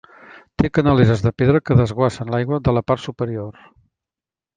Té canaleres de pedra que desguassen l'aigua de la part superior.